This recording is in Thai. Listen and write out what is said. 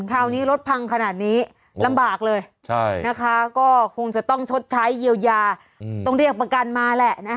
คราวนี้รถพังขนาดนี้ลำบากเลยนะคะก็คงจะต้องชดใช้เยียวยาต้องเรียกประกันมาแหละ